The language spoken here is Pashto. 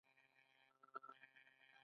د ژبې نرمښت د هغې ځواک دی.